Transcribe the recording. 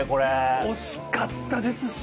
惜しかったですし。